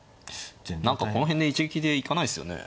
何かこの辺で一撃で行かないですよね。